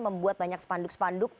membuat banyak spanduk spanduk